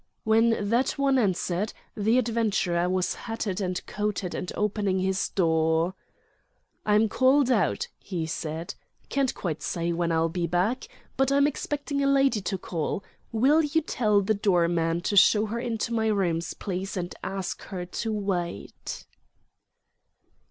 When that one answered, the adventurer was hatted and coated and opening his door. "I'm called out," he said—"can't quite say when I'll be back. But I'm expecting a lady to call. Will you tell the doorman to show her into my rooms, please, and ask her to wait."